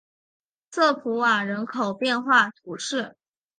瑟普瓦人口变化图示